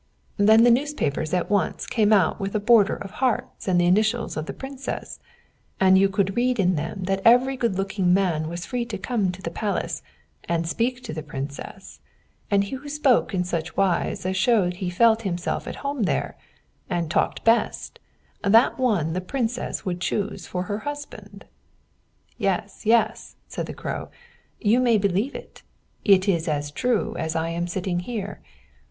"The newspapers at once came out with a border of hearts and the initials of the Princess; and you could read in them that every good looking young man was free to come to the palace and speak to the Princess; and he who spoke in such wise as showed he felt himself at home there, and talked best, that one the Princess would choose for her husband. "Yes yes," said the Crow, "you may believe it; it is as true as I am sitting here.